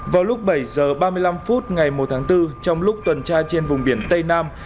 vào lúc bảy h ba mươi năm phút ngày một tháng bốn trong lúc tuần tra trên vùng biển tây nam